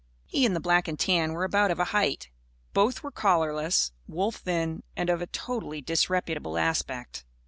He and the black and tan were about of a height. Both were collarless, wolf thin and of a totally disreputable aspect.